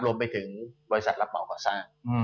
รวมไปถึงบริษัทรับเหมาก่อสร้าง